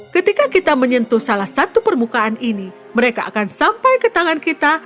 ketika kita menyentuh salah satu permukaan ini mereka akan sampai ke tangan kita